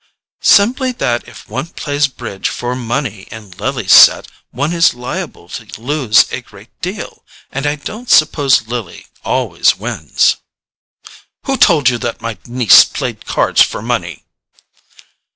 "Simply that if one plays bridge for money in Lily's set one is liable to lose a great deal—and I don't suppose Lily always wins." "Who told you that my niece played cards for money?"